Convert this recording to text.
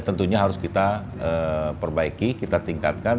tentunya harus kita perbaiki kita tingkatkan